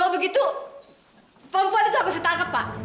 kalau begitu perempuan itu aku setangkap pak